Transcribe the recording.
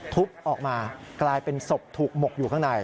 ออกมากลายเป็นศพถูกหมกอยู่ข้างใน